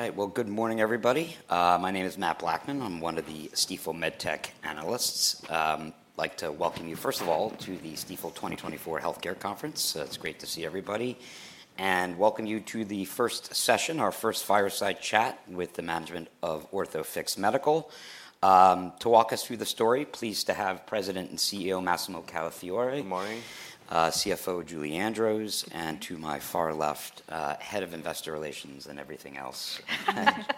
All right, well, good morning, everybody. My name is Matt Blackman. I'm one of the Stifel MedTech analysts. I'd like to welcome you, first of all, to the Stifel 2024 Healthcare Conference. It's great to see everybody and welcome you to the first session, our first fireside chat with the management of Orthofix Medical. To walk us through the story, pleased to have President and CEO Massimo Calafiore. Good morning. CFO Julie Andrews, and to my far left, Head of Investor Relations and everything else,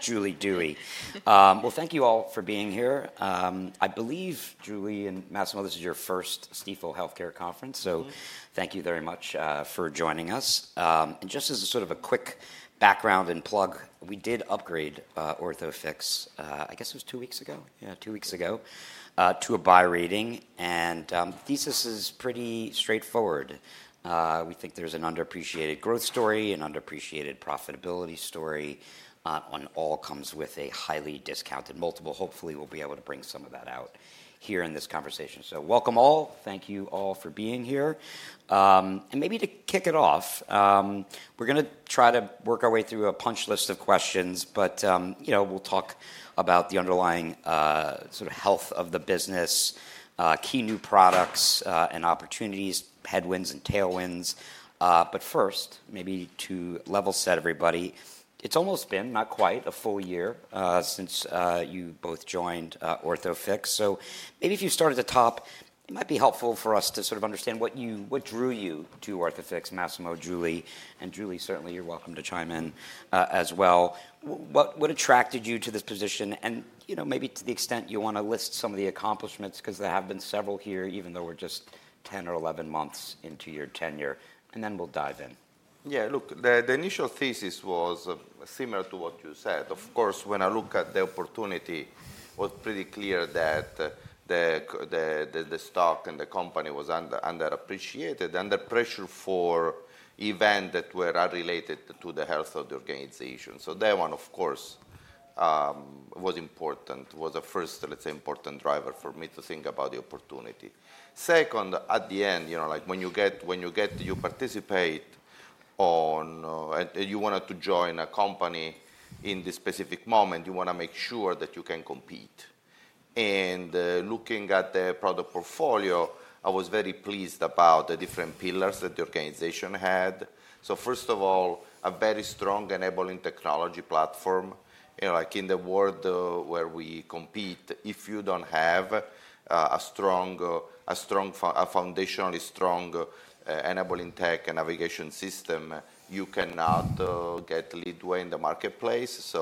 Julie Dewey. Well, thank you all for being here. I believe, Julie and Massimo, this is your first Stifel Healthcare Conference, so thank you very much for joining us. And just as a sort of a quick background and plug, we did upgrade Orthofix, I guess it was two weeks ago, yeah, two weeks ago, to a buy rating. And the thesis is pretty straightforward. We think there's an underappreciated growth story, an underappreciated profitability story, and it all comes with a highly discounted multiple. Hopefully, we'll be able to bring some of that out here in this conversation. So welcome all. Thank you all for being here. And maybe to kick it off, we're going to try to work our way through a punch list of questions, but we'll talk about the underlying sort of health of the business, key new products and opportunities, headwinds and tailwinds. But first, maybe to level set everybody, it's almost been, not quite, a full year since you both joined Orthofix. So maybe if you start at the top, it might be helpful for us to sort of understand what drew you to Orthofix, Massimo, Julie, and Julie, certainly, you're welcome to chime in as well. What attracted you to this position? And maybe to the extent you want to list some of the accomplishments, because there have been several here, even though we're just 10 or 11 months into your tenure, and then we'll dive in. Yeah, look, the initial thesis was similar to what you said. Of course, when I look at the opportunity, it was pretty clear that the stock and the company was underappreciated, under pressure for events that were unrelated to the health of the organization. So that one, of course, was important, was the first, let's say, important driver for me to think about the opportunity. Second, at the end, when you get to participate and you wanted to join a company in this specific moment, you want to make sure that you can compete. And looking at the product portfolio, I was very pleased about the different pillars that the organization had. So first of all, a very strong enabling technology platform. In the world where we compete, if you don't have a foundationally strong enabling tech and navigation system, you cannot get leeway in the marketplace.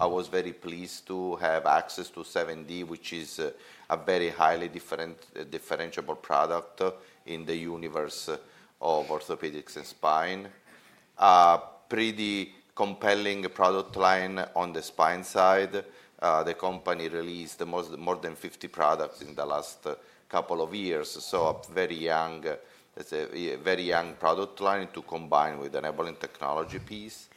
I was very pleased to have access to 7D, which is a very highly differentiable product in the universe of orthopedics and spine. Pretty compelling product line on the spine side. The company released more than 50 products in the last couple of years, so a very young product line to combine with enabling technology piece.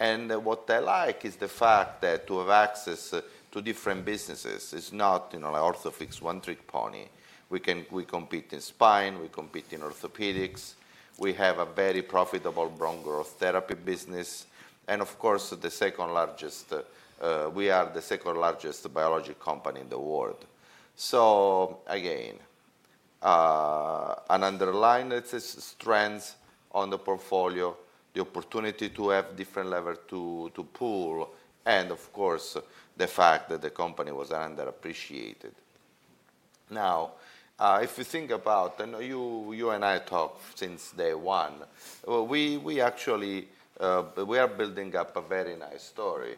What I like is the fact that to have access to different businesses is not like Orthofix, one trick pony. We compete in spine, we compete in orthopedics, we have a very profitable bone growth therapy business. Of course, we are the second largest biologics company in the world. Again, an underlying strength on the portfolio, the opportunity to have different levers to pull, and of course, the fact that the company was underappreciated. Now, if you think about, and you and I talked since day one, we are building up a very nice story.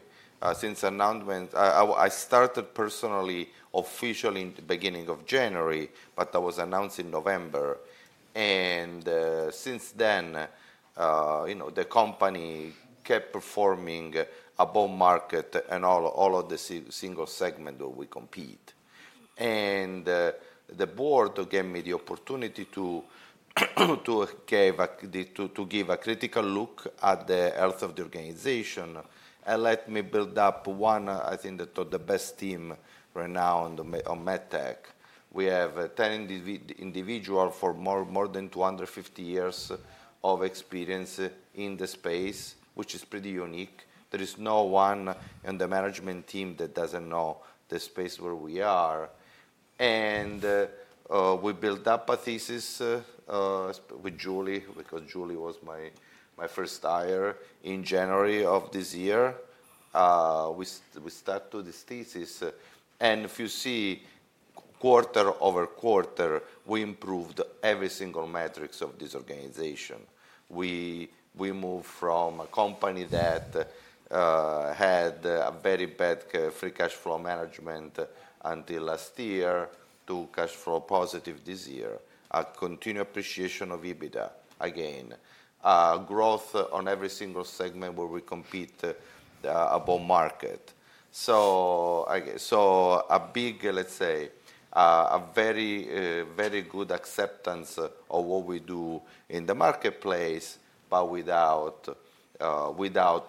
Since announcement, I started personally officially in the beginning of January, but I was announced in November, and since then, the company kept performing above market and all of the single segment where we compete, and the board gave me the opportunity to give a critical look at the health of the organization and let me build up one, I think, the best team right now on MedTech. We have 10 individuals for more than 250 years of experience in the space, which is pretty unique. There is no one in the management team that doesn't know the space where we are, and we built up a thesis with Julie, because Julie was my first hire in January of this year. We started this thesis. And if you see, quarter over quarter, we improved every single metric of this organization. We moved from a company that had a very bad free cash flow management until last year to cash flow positive this year, a continued appreciation of EBITDA again, growth on every single segment where we compete above market. So a big, let's say, a very good acceptance of what we do in the marketplace, but without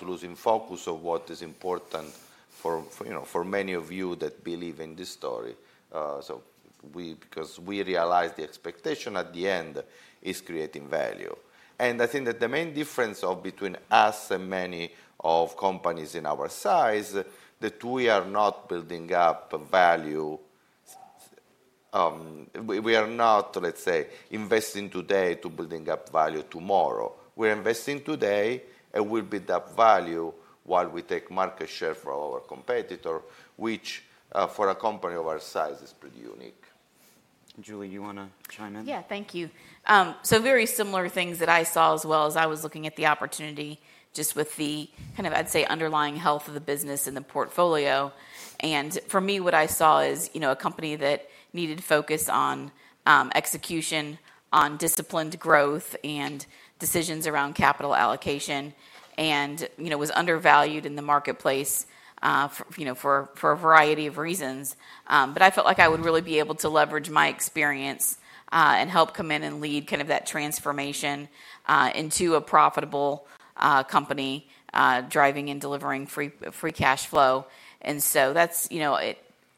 losing focus of what is important for many of you that believe in this story. Because we realized the expectation at the end is creating value. And I think that the main difference between us and many companies in our size is that we are not building up value. We are not, let's say, investing today to build up value tomorrow. We're investing today and we'll build up value while we take market share from our competitor, which for a company of our size is pretty unique. Julie, you want to chime in? Yeah, thank you. So very similar things that I saw as well as I was looking at the opportunity just with the kind of, I'd say, underlying health of the business and the portfolio. And for me, what I saw is a company that needed focus on execution, on disciplined growth, and decisions around capital allocation, and was undervalued in the marketplace for a variety of reasons. But I felt like I would really be able to leverage my experience and help come in and lead kind of that transformation into a profitable company driving and delivering free cash flow. And so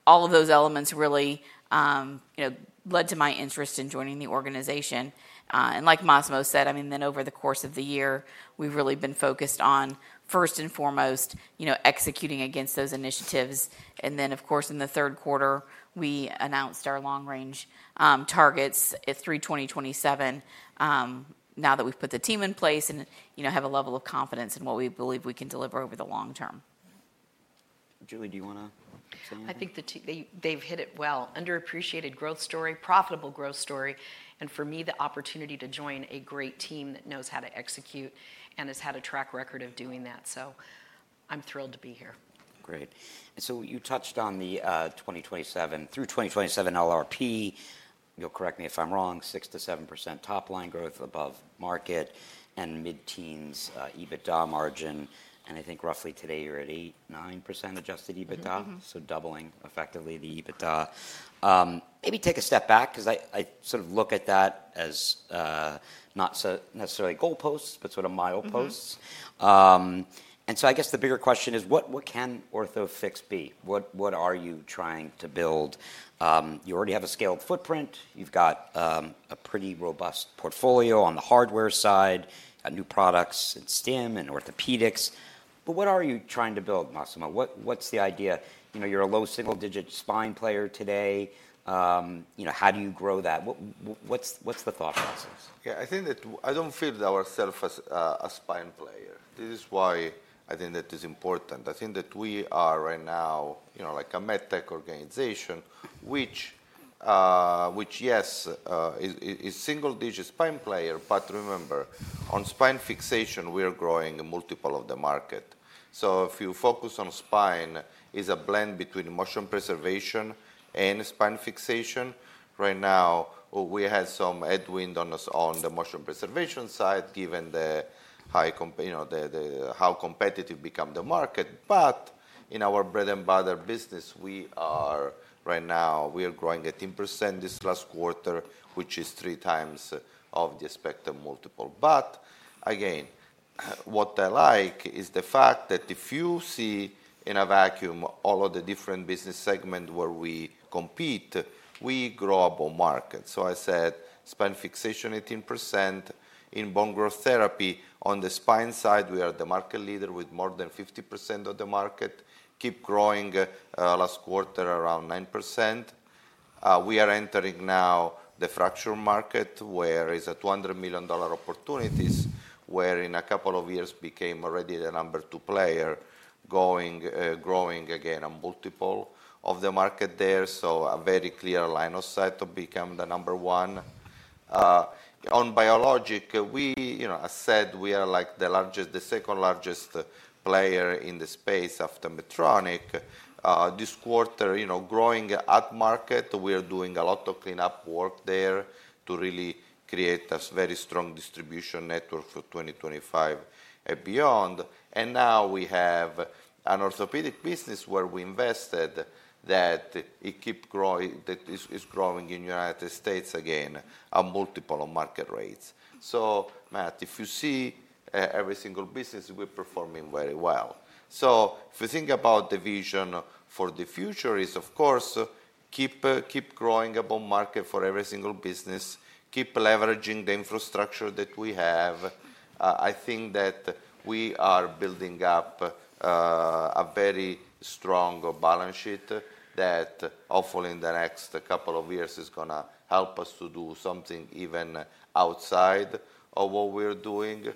all of those elements really led to my interest in joining the organization. And like Massimo said, I mean, then over the course of the year, we've really been focused on, first and foremost, executing against those initiatives. Of course, in the third quarter, we announced our long-range targets through 2027, now that we've put the team in place and have a level of confidence in what we believe we can deliver over the long term. Julie, do you want to chime in? I think they've hit it well. Underappreciated growth story, profitable growth story and for me, the opportunity to join a great team that knows how to execute and has had a track record of doing that, so I'm thrilled to be here. Great. And so you touched on the 2024 through 2027 LRP, you'll correct me if I'm wrong, 6%-7% top line growth above market and mid-teens EBITDA margin, and I think roughly today you're at 8%-9% adjusted EBITDA, so doubling effectively the EBITDA. Maybe take a step back, because I sort of look at that as not necessarily goalposts, but sort of mileposts, and so I guess the bigger question is, what can Orthofix be? What are you trying to build? You already have a scaled footprint. You've got a pretty robust portfolio on the hardware side, new products in spine and orthopedics. But what are you trying to build, Massimo? What's the idea? You're a low single-digit spine player today. How do you grow that? What's the thought process? Yeah, I think that I don't see myself as a spine player. This is why I think that it is important. I think that we are right now like a MedTech organization, which, yes, is single-digit spine player, but remember, on spine fixation, we are growing multiple of the market. So if you focus on spine, it's a blend between motion preservation and spine fixation. Right now, we had some headwind on the motion preservation side given how competitive becomes the market. But in our bread and butter business, we are right now, we are growing 18% this last quarter, which is three times of the expected multiple. But again, what I like is the fact that if you see in a vacuum all of the different business segments where we compete, we grow above market. So I said spine fixation 18%. In bone growth therapy, on the spine side, we are the market leader with more than 50% of the market. Keep growing last quarter around 9%. We are entering now the fracture market, where it's a $200 million opportunity, where in a couple of years became already the number two player, growing again a multiple of the market there. So a very clear line of sight to become the number one. On biologic, I said we are like the second largest player in the space after Medtronic. This quarter, growing at market, we are doing a lot of cleanup work there to really create a very strong distribution network for 2025 and beyond. And now we have an orthopedic business where we invested that is growing in the United States again a multiple of market rates. So Matt, if you see every single business, we're performing very well. So if you think about the vision for the future is, of course, keep growing above market for every single business, keep leveraging the infrastructure that we have. I think that we are building up a very strong balance sheet that hopefully in the next couple of years is going to help us to do something even outside of what we're doing.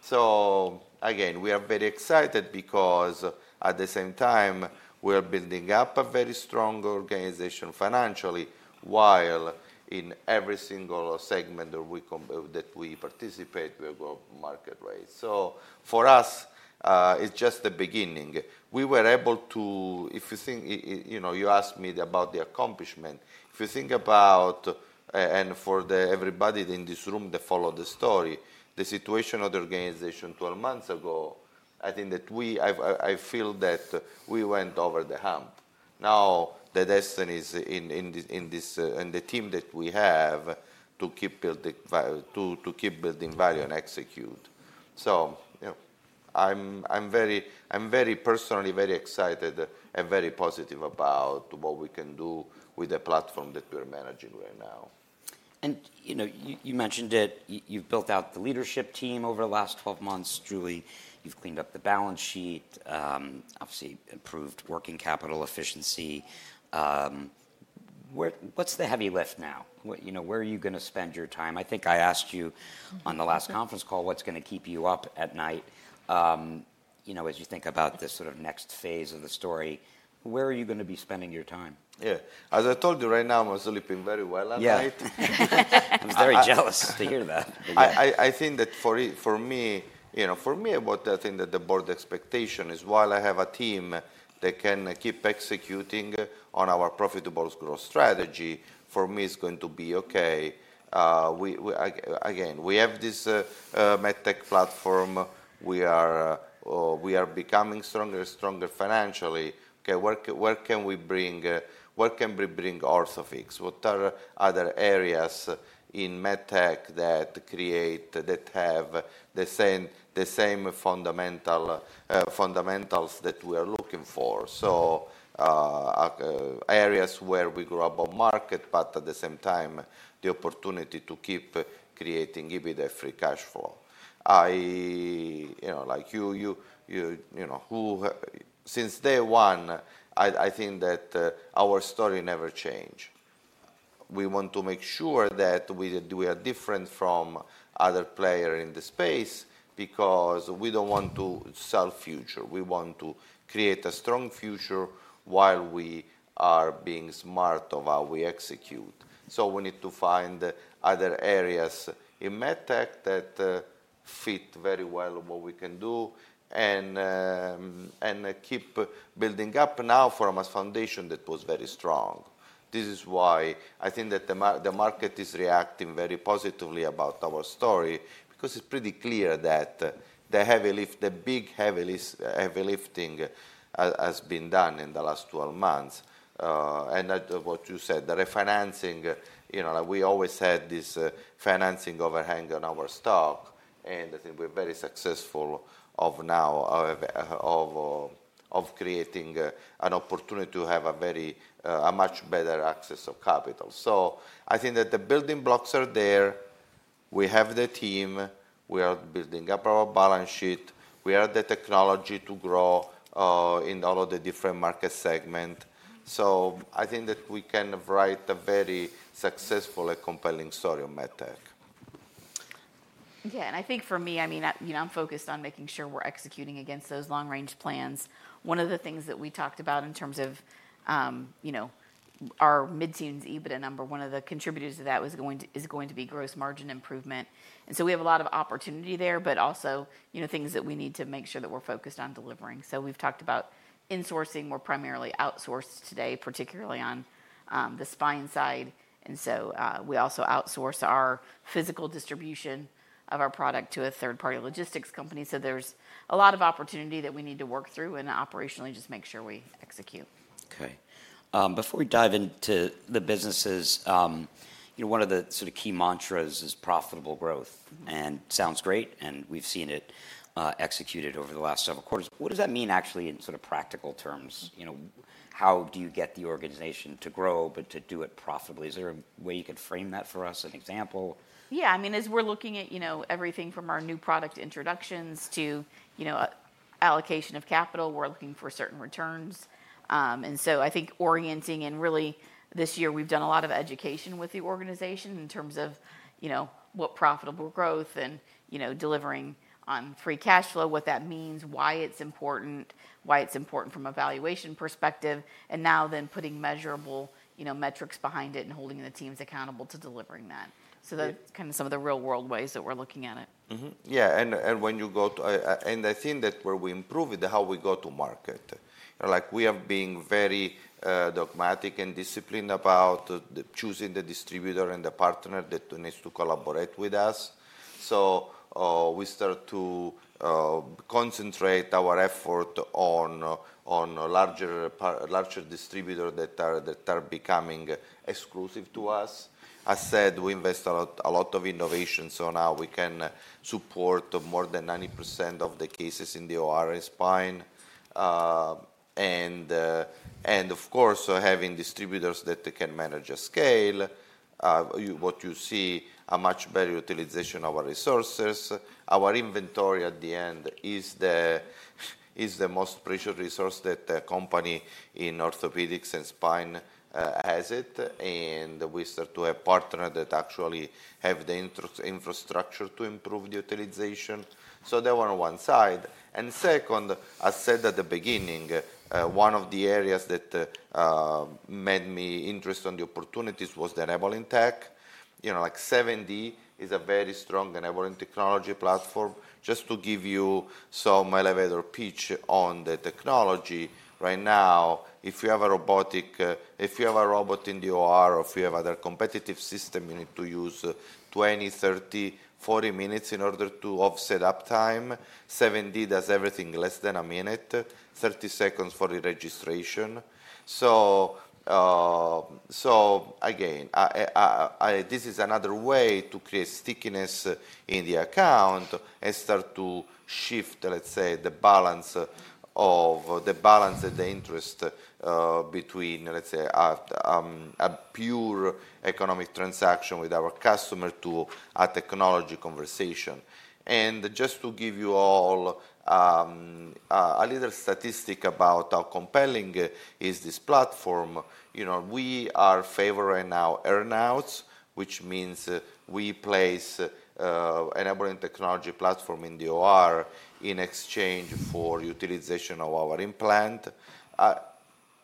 So again, we are very excited because at the same time, we are building up a very strong organization financially while in every single segment that we participate, we're above market rate. So for us, it's just the beginning. We were able to, if you think, you asked me about the accomplishment. If you think about, and for everybody in this room that followed the story, the situation of the organization 12 months ago, I think that I feel that we went over the hump. Now the destiny is in the team that we have to keep building value and execute. So I'm very personally very excited and very positive about what we can do with the platform that we're managing right now. You mentioned that you've built out the leadership team over the last 12 months. Julie, you've cleaned up the balance sheet, obviously improved working capital efficiency. What's the heavy lift now? Where are you going to spend your time? I think I asked you on the last conference call, what's going to keep you up at night as you think about this sort of next phase of the story. Where are you going to be spending your time? Yeah. As I told you, right now, I'm sleeping very well at night. I was very jealous to hear that. I think that for me, for me, I think that the board expectation is, while I have a team that can keep executing on our profitable growth strategy, for me, it's going to be okay. Again, we have this MedTech platform. We are becoming stronger and stronger financially. Okay, where can we bring Orthofix? What are other areas in MedTech that have the same fundamentals that we are looking for? So areas where we grow above market, but at the same time, the opportunity to keep creating EBITDA free cash flow. Like you, since day one, I think that our story never changed. We want to make sure that we are different from other players in the space because we don't want to sell future. We want to create a strong future while we are being smart of how we execute. So, we need to find other areas in MedTech that fit very well what we can do and keep building up now for us foundation that was very strong. This is why I think that the market is reacting very positively about our story because it's pretty clear that the big heavy lifting has been done in the last 12 months, and what you said, the refinancing, we always had this financing overhang on our stock, and I think we're very successful of now of creating an opportunity to have a much better access of capital. So I think that the building blocks are there. We have the team. We are building up our balance sheet. We have the technology to grow in all of the different market segments. So I think that we can write a very successful and compelling story on MedTech. Yeah. And I think for me, I mean, I'm focused on making sure we're executing against those long-range plans. One of the things that we talked about in terms of our mid-teens EBITDA number, one of the contributors to that is going to be gross margin improvement. And so we have a lot of opportunity there, but also things that we need to make sure that we're focused on delivering. So we've talked about insourcing. We're primarily outsourced today, particularly on the spine side. And so we also outsource our physical distribution of our product to a third-party logistics company. So there's a lot of opportunity that we need to work through and operationally just make sure we execute. Okay. Before we dive into the businesses, one of the sort of key mantras is profitable growth. And it sounds great. And we've seen it executed over the last several quarters. What does that mean actually in sort of practical terms? How do you get the organization to grow but to do it profitably? Is there a way you could frame that for us, an example? Yeah. I mean, as we're looking at everything from our new product introductions to allocation of capital, we're looking for certain returns. And so I think orienting and really this year, we've done a lot of education with the organization in terms of what profitable growth and delivering on free cash flow, what that means, why it's important, why it's important from a valuation perspective, and now then putting measurable metrics behind it and holding the teams accountable to delivering that. So that's kind of some of the real-world ways that we're looking at it. Yeah. And when you go to, and I think that where we improve is how we go to market. We have been very dogmatic and disciplined about choosing the distributor and the partner that needs to collaborate with us. So we start to concentrate our effort on larger distributors that are becoming exclusive to us. I said we invest a lot of innovation. So now we can support more than 90% of the cases in the OR and spine. And of course, having distributors that can manage a scale, what you see a much better utilization of our resources. Our inventory at the end is the most precious resource that a company in orthopedics and spine has it. And we start to have partners that actually have the infrastructure to improve the utilization. So that one on one side. And second, I said at the beginning, one of the areas that made me interested in the opportunities was the enabling tech. Like 7D is a very strong enabling technology platform. Just to give you some elevator pitch on the technology, right now, if you have a robot in the OR or if you have other competitive system, you need to use 20, 30, 40 minutes in order to set up time. 7D does everything less than a minute, 30 seconds for the registration. So again, this is another way to create stickiness in the account and start to shift, let's say, the balance of the interest between, let's say, a pure economic transaction with our customer to a technology conversation. And just to give you all a little statistic about how compelling is this platform. We are favoring our earnouts, which means we place enabling technology platform in the OR in exchange for utilization of our implant.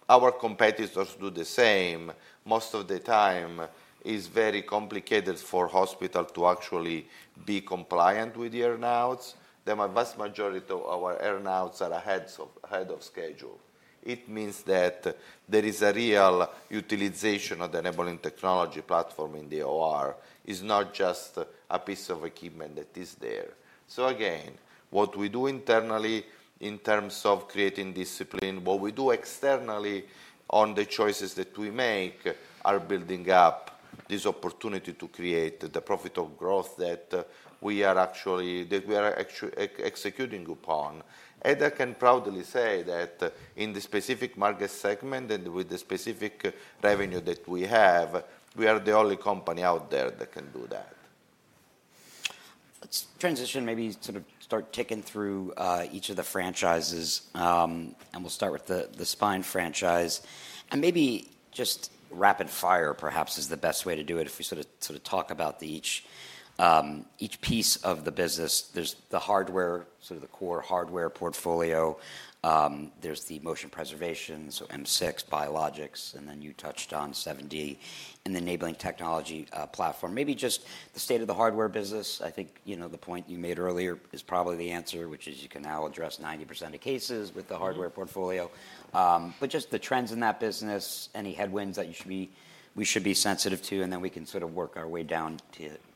Our competitors do the same. Most of the time, it's very complicated for hospital to actually be compliant with earnouts. The vast majority of our earnouts are ahead of schedule. It means that there is a real utilization of the enabling technology platform in the OR. It's not just a piece of equipment that is there. So again, what we do internally in terms of creating discipline, what we do externally on the choices that we make are building up this opportunity to create the profitable growth that we are actually executing upon. I can proudly say that in the specific market segment and with the specific revenue that we have, we are the only company out there that can do that. Let's transition, maybe sort of start ticking through each of the franchises. And we'll start with the spine franchise. And maybe just rapid fire perhaps is the best way to do it if we sort of talk about each piece of the business. There's the hardware, sort of the core hardware portfolio. There's the motion preservation, so M6, Biologics, and then you touched on 7D and the enabling technology platform. Maybe just the state of the hardware business. I think the point you made earlier is probably the answer, which is you can now address 90% of cases with the hardware portfolio. But just the trends in that business, any headwinds that we should be sensitive to, and then we can sort of work our way down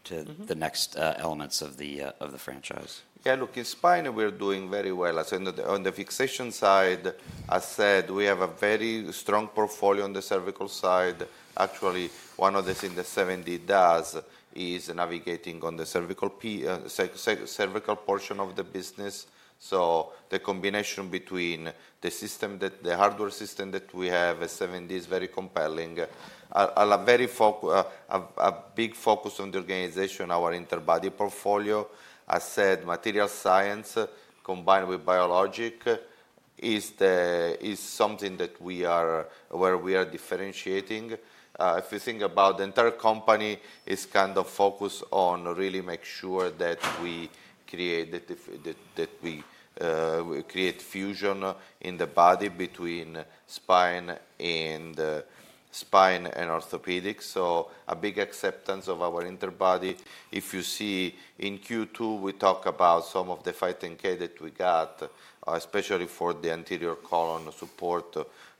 to the next elements of the franchise. Yeah. Look, in spine, we're doing very well. On the fixation side, as I said, we have a very strong portfolio on the cervical side. Actually, one of the things that 7D does is navigating on the cervical portion of the business. So the combination between the hardware system that we have at 7D is very compelling. A big focus on the organization, our interbody portfolio. As I said, material science combined with biologic is something that we are where we are differentiating. If you think about the entire company, it's kind of focused on really making sure that we create fusion in the body between spine and orthopedics. So a big acceptance of our interbody. If you see in Q2, we talk about some of the 510(k) that we got, especially for the anterior column support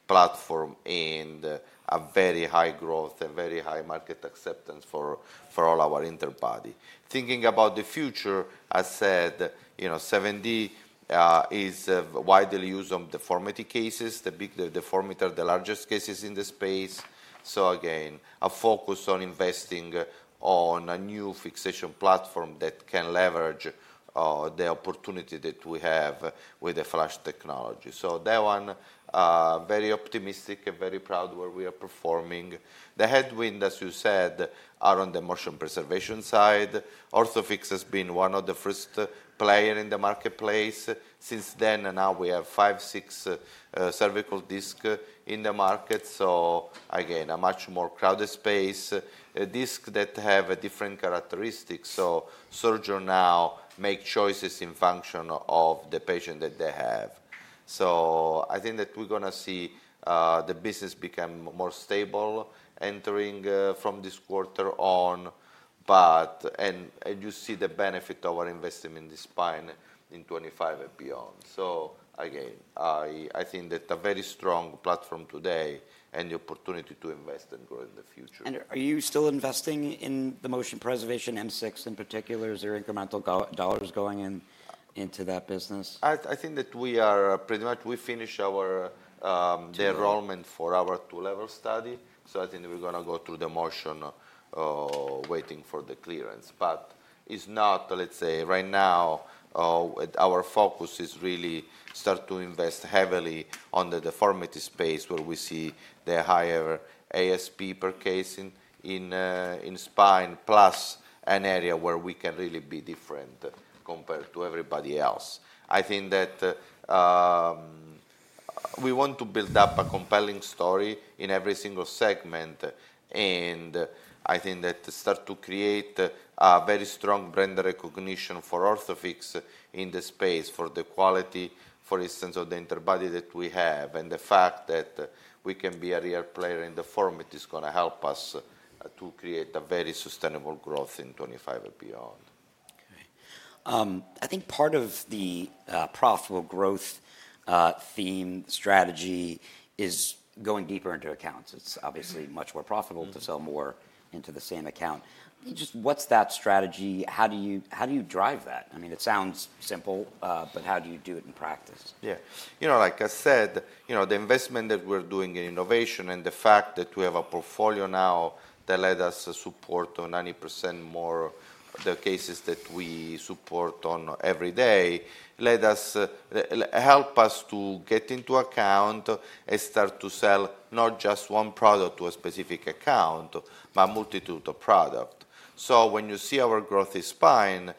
platform and a very high growth, a very high market acceptance for all our interbody. Thinking about the future, as I said, 7D is widely used on deformity cases, the big deformity, the largest cases in the space, so again, a focus on investing on a new fixation platform that can leverage the opportunity that we have with the FLASH technology, so that one, very optimistic and very proud where we are performing. The headwind, as you said, are on the motion preservation side. Orthofix has been one of the first players in the marketplace since then, and now we have five, six cervical discs in the market, so again, a much more crowded space, discs that have different characteristics. So surgeons now make choices in function of the patient that they have. So I think that we're going to see the business become more stable entering from this quarter on. And you see the benefit of our investment in the spine in 2025 and beyond. So again, I think that a very strong platform today and the opportunity to invest and grow in the future. Are you still investing in the motion preservation, M6 in particular? Is there incremental dollars going into that business? I think that we are pretty much finished the enrollment for our two-level study, so I think we're going to go through the motions waiting for the clearance, but it's not, let's say, right now, our focus is really to start to invest heavily on the deformity space where we see the higher ASP per case in spine, plus an area where we can really be different compared to everybody else. I think that we want to build up a compelling story in every single segment, and I think that starts to create a very strong brand recognition for Orthofix in the space for the quality, for instance, of the interbody that we have, and the fact that we can be a real player in deformity is going to help us to create a very sustainable growth in 2025 and beyond. Okay. I think part of the profitable growth theme strategy is going deeper into accounts. It's obviously much more profitable to sell more into the same account. Just what's that strategy? How do you drive that? I mean, it sounds simple, but how do you do it in practice? Yeah. Like I said, the investment that we're doing in innovation and the fact that we have a portfolio now that let us support 90% more of the cases that we support on every day let us help us to get into account and start to sell not just one product to a specific account, but a multitude of products. So when you see our growth in spine,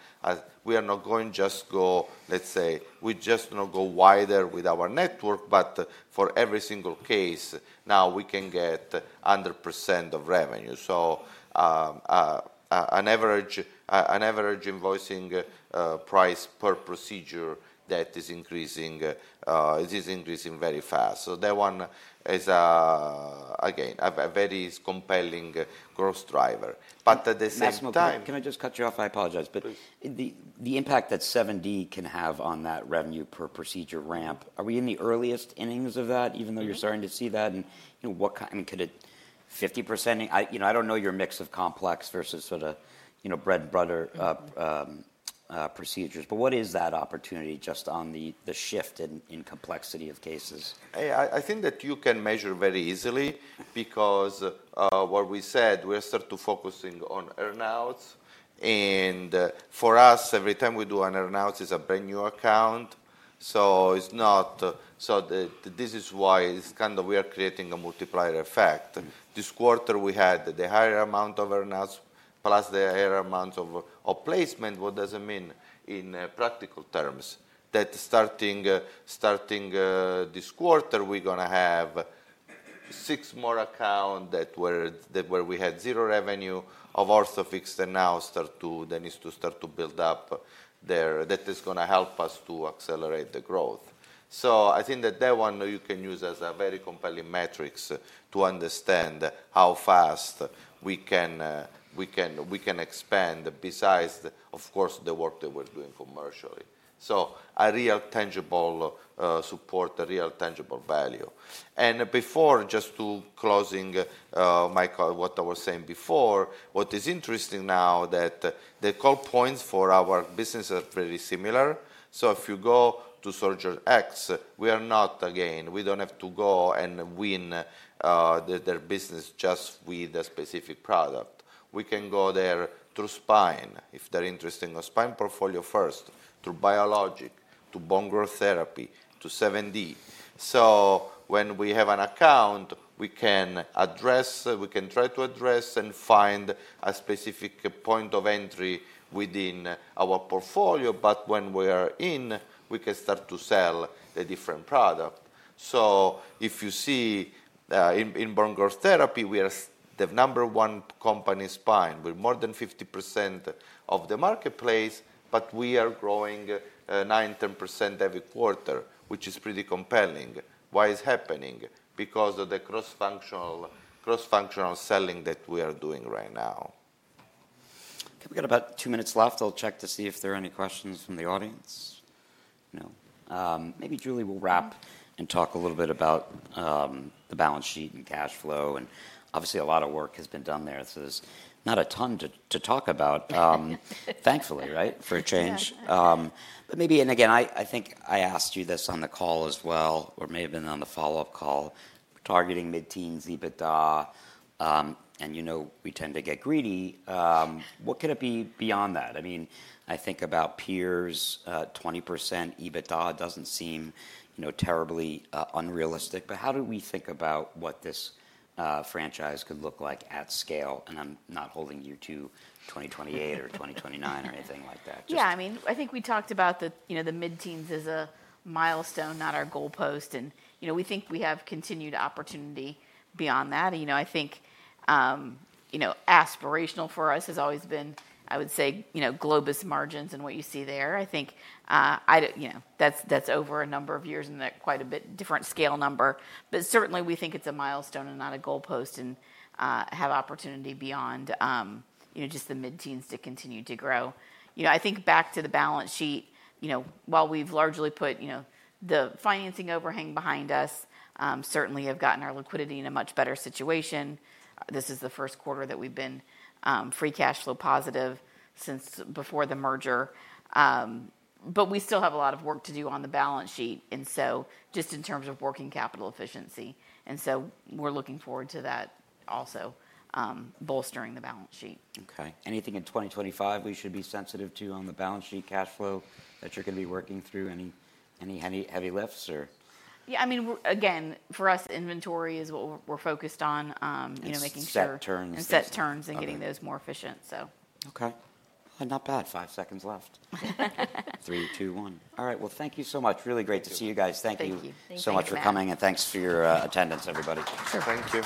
we are not going just go, let's say, we just go wider with our network, but for every single case, now we can get 100% of revenue. So an average invoicing price per procedure that is increasing is increasing very fast. So that one is, again, a very compelling growth driver. But at the same time. Last moment. Can I just cut you off? I apologize. But the impact that 7D can have on that revenue per procedure ramp, are we in the earliest innings of that, even though you're starting to see that? And what kind of could it 50%? I don't know your mix of complex versus sort of bread and butter procedures. But what is that opportunity just on the shift in complexity of cases? I think that you can measure very easily because what we said, we are starting to focus on earnouts. And for us, every time we do an earnout, it's a brand new account. So this is why it's kind of we are creating a multiplier effect. This quarter, we had the higher amount of earnouts plus the higher amount of placement. What does it mean in practical terms? That starting this quarter, we're going to have six more accounts where we had zero revenue of Orthofix and now start to build up there that is going to help us to accelerate the growth. So I think that that one you can use as a very compelling metrics to understand how fast we can expand besides, of course, the work that we're doing commercially. So a real tangible support, a real tangible value. Before, just to closing what I was saying before, what is interesting now that the core points for our business are very similar. If you go to Surgeon X, we are not, again, we don't have to go and win their business just with a specific product. We can go there through spine if they're interested in a spine portfolio first, through biologics, to bone growth therapy, to 7D. When we have an account, we can address, we can try to address and find a specific point of entry within our portfolio. When we are in, we can start to sell the different product. If you see in bone growth therapy, we are the number one company spine with more than 50% of the marketplace, but we are growing 9-10% every quarter, which is pretty compelling. Why is it happening? Because of the cross-functional selling that we are doing right now. We've got about two minutes left. I'll check to see if there are any questions from the audience. No. Maybe Julie will wrap and talk a little bit about the balance sheet and cash flow. And obviously, a lot of work has been done there. So there's not a ton to talk about, thankfully, right, for a change. But maybe, and again, I think I asked you this on the call as well, or may have been on the follow-up call, targeting mid-teens EBITDA. And you know we tend to get greedy. What could it be beyond that? I mean, I think about peers, 20% EBITDA doesn't seem terribly unrealistic. But how do we think about what this franchise could look like at scale? And I'm not holding you to 2028 or 2029 or anything like that. Yeah. I mean, I think we talked about the mid-teens as a milestone, not our goalpost. And we think we have continued opportunity beyond that. I think aspirational for us has always been, I would say, Globus margins and what you see there. I think that's over a number of years and quite a bit different scale number. But certainly, we think it's a milestone and not a goalpost and have opportunity beyond just the mid-teens to continue to grow. I think back to the balance sheet, while we've largely put the financing overhang behind us, certainly have gotten our liquidity in a much better situation. This is the first quarter that we've been free cash flow positive since before the merger. But we still have a lot of work to do on the balance sheet. And so just in terms of working capital efficiency. We're looking forward to that also bolstering the balance sheet. Okay. Anything in 2025 we should be sensitive to on the balance sheet cash flow that you're going to be working through? Any heavy lifts or? Yeah. I mean, again, for us, inventory is what we're focused on, making sure. Set turns. And set turns and getting those more efficient, so. Okay. Not bad. Five seconds left. Three, two, one. All right. Well, thank you so much. Really great to see you guys. Thank you so much for coming, and thanks for your attendance, everybody. Thank you.